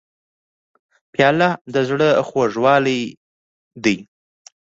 پیاله د زړه خوږلۍ ده.